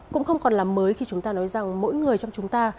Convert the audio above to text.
cũng không còn là mới khi chúng ta nói rằng mỗi người trong chúng ta